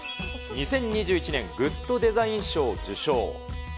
２０２１年グッドデザイン賞を受賞。